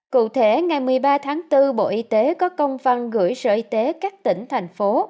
cụ thể ngày một mươi ba tháng bốn bộ y tế có công văn gửi sở y tế các tỉnh thành phố